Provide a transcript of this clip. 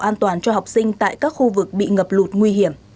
an toàn cho học sinh tại các khu vực bị ngập lụt nguy hiểm